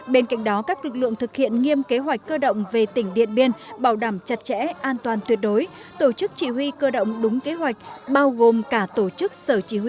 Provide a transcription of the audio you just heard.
bên cạnh đó các lực lượng thực hiện nghiêm kế hoạch cơ động về tỉnh điện biên bảo đảm chặt chẽ an toàn tuyệt đối